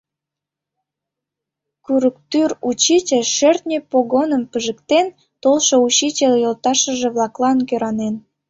Курыктӱр учитель шӧртньӧ погоным пижыктен толшо учитель йолташыже-влаклан кӧранен.